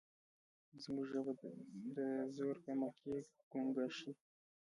زموږ ژبه د زور په مخ کې ګونګه شي.